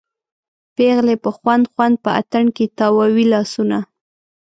پیغلې په خوند خوند په اتڼ کې تاووي لاسونه